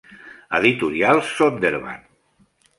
Editorial Zondervan.